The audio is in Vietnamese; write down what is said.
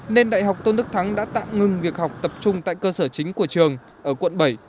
nên đại học tôn đức thắng đã tạm ngưng việc học tập trung tại cơ sở chính của trường ở quận bảy